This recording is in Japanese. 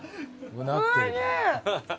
うなってる。